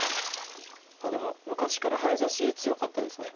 でも昔から早指し強かったですね。